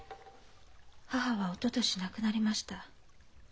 母はおととし亡くなりました。